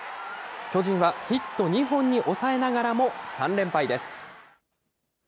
巨人はヒット２本に抑えながらも３連敗です。